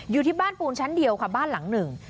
อยู่ที่บ้านปูนชั้นเดียวค่ะบ้านหลังหนึ่ง